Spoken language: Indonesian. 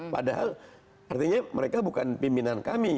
padahal artinya mereka bukan pimpinan kami